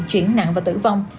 chuyển nặng và tử vong